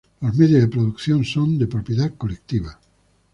Los medios de producción son de propiedad colectiva.